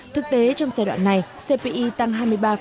thực tế trong giai đoạn này cpi tăng hai mươi ba